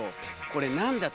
これ何や？